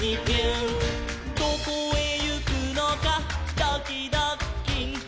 「どこへゆくのかドキドッキン」